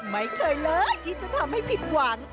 ไม่เคยเลยที่จะทำให้ผิดหวัง